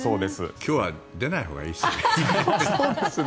今日は出ないほうがいいですね。